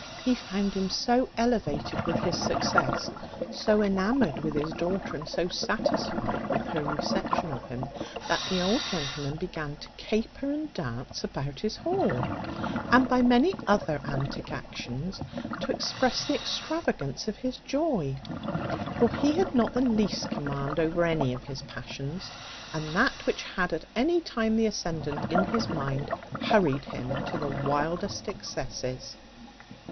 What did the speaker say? He found him so elevated with his success, so enamoured with his daughter, and so satisfied with her reception of him, that the old gentleman began to caper and dance about his hall, and by many other antic actions to express the extravagance of his joy; for he had not the least command over any of his passions; and that which had at any time the ascendant in his mind hurried him to the wildest excesses.